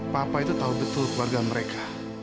papa itu tahu betul keluarga mereka